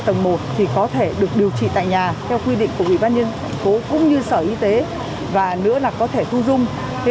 tầng một thì có thể được điều trị tại nhà theo quy định của ubnd cũng như sở y tế và nữa là có thể thu dung